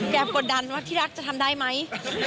กดดันว่าที่รักจะทำได้ไหม